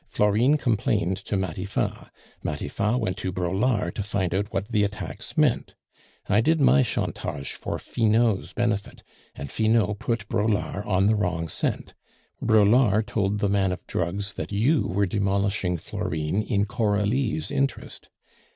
Florine complained to Matifat. Matifat went to Braulard to find out what the attacks meant. I did my 'chantage' for Finot's benefit, and Finot put Braulard on the wrong scent; Braulard told the man of drugs that you were demolishing Florine in Coralie's interest.